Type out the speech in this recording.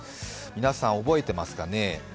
皆さん、覚えてますかね？